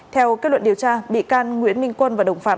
theo kết luận điều tra bị can nguyễn minh quân và đồng phạm